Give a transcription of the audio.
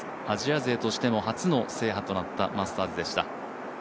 アジア勢としての初の制覇となっています、マスターズでした。